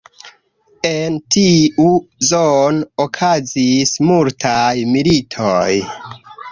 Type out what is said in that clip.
En tiu zono okazis multaj militoj.